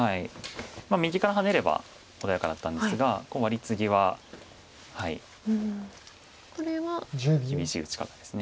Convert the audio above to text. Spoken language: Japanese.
右からハネれば穏やかだったんですがここワリツギは厳しい打ち方です。